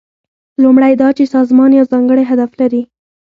لومړی دا چې سازمان یو ځانګړی هدف لري.